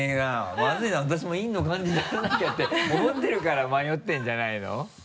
まずいな私も陰の感じにならなきゃって思ってるから迷ってるんじゃないの？